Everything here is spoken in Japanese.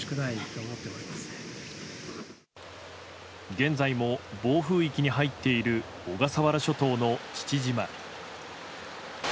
現在も暴風域に入っている小笠原諸島の父島。